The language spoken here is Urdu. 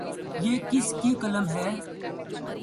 یہ کس کی قلم ہے ؟